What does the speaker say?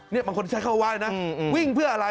เนี่ยบางคนใช้เข้าว่าเลยนะวิ่งเพื่ออะไร